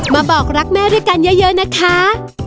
บอกรักแม่ด้วยกันเยอะนะคะ